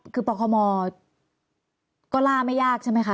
คือปคมก็ล่าไม่ยากใช่ไหมคะ